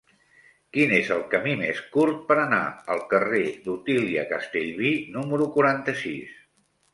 Quin és el camí més curt per anar al carrer d'Otília Castellví número quaranta-sis?